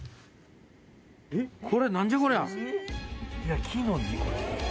これ何じゃこりゃ。